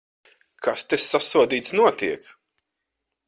Kas te, sasodīts, notiek?